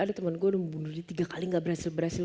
ada temen gue udah membunuh diri tiga kali gak berhasil berhasil